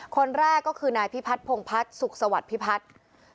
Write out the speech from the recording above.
คนแรกก็คือนายพี่พัทธ์โพงพัทธ์สุขสวัสดิ์พี่พัทธ์